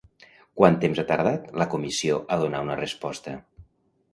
Quant temps ha tardat la Comissió a donar una resposta?